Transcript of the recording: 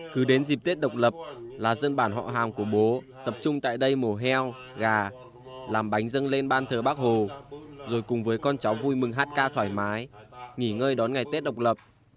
cứ đến dịp tết độc lập là dân bản họ hàng của bố tập trung tại đây mổ heo gà làm bánh dâng lên ban thờ bác hồ rồi cùng với con cháu vui mừng hát ca thoải mái nghỉ ngơi đón ngày tết độc lập